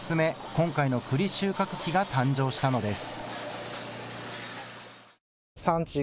今回のくり収穫機が誕生したのです。